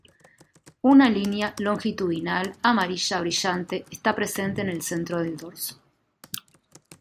Una línea longitudinal amarilla brillante está presente en el centro del dorso.